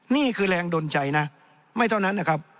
นี่คือแรงดนใจนะไม่เท่านั้นนะครับ